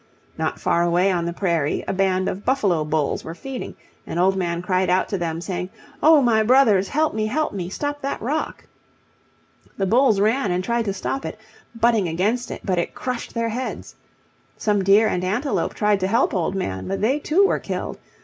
Not far away on the prairie a band of buffalo bulls were feeding, and Old Man cried out to them, saying, "Oh, my brothers, help me, help me; stop that rock." The bulls ran and tried to stop it, butting against it, but it crushed their heads. Some deer and antelope tried to help Old Man, but they too were killed.